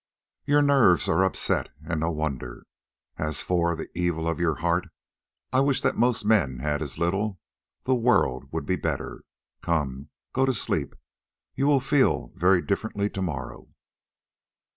Your nerves are upset, and no wonder! As for 'the evil of your heart,' I wish that most men had as little—the world would be better. Come, go to sleep; you will feel very differently to morrow."